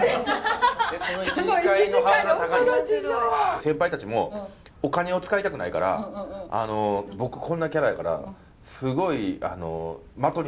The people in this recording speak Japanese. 先輩たちもお金を使いたくないからあの僕こんなキャラやからすごい的にされるんです。